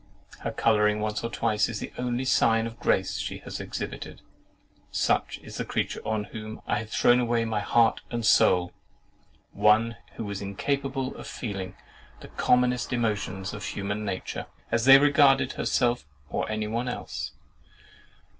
Her colouring once or twice is the only sign of grace she has exhibited. Such is the creature on whom I had thrown away my heart and soul—one who was incapable of feeling the commonest emotions of human nature, as they regarded herself or any one else.